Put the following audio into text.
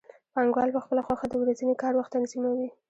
پانګوال په خپله خوښه د ورځني کار وخت تنظیموي